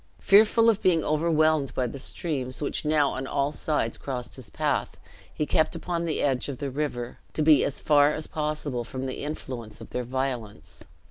Fearful of being overwhelmed by the streams, which now on all sides crossed his path, he kept upon the edge of the river, to be as far as possible from the influence of their violence.